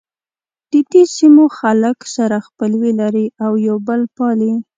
ددې سیمو خلک سره خپلوي لري او یو بل پالي.